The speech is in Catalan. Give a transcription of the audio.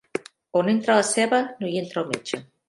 On entra la ceba, no hi entra el metge.